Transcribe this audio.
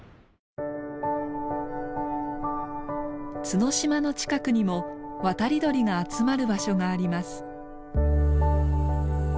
角島の近くにも渡り鳥が集まる場所があります。